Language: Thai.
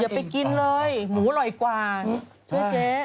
ไปกินเลยหมูอร่อยกว่าชื่อเจ๊